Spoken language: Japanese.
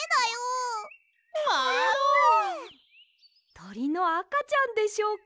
とりのあかちゃんでしょうか。